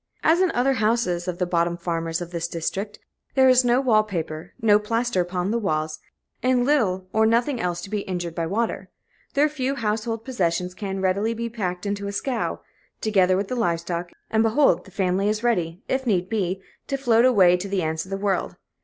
As in other houses of the bottom farmers of this district, there is no wall paper, no plaster upon the walls, and little or nothing else to be injured by water. Their few household possessions can readily be packed into a scow, together with the live stock, and behold the family is ready, if need be, to float away to the ends of the world.